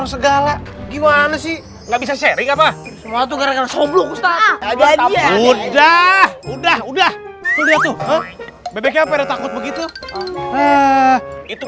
enak enak ya going out yaitu